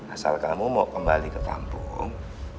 asal kamu mau kembali ke kampung